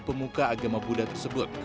pemuka agama buddha tersebut